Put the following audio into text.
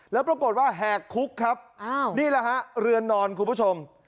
แล้วปรากฏว่าแหกคุกครับนี่แหละฮะเรือนนอนคุณผู้ชม